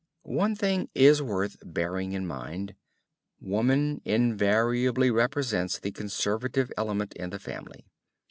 One thing is worth bearing in mind. Woman invariably represents the conservative element in the family.